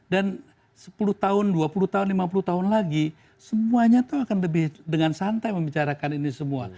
dan sepuluh tahun dua puluh tahun lima puluh tahun lagi semuanya tuh akan lebih dengan santai membicarakan ini semua